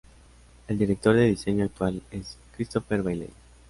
El Director de Diseño actual es Christopher Bailey.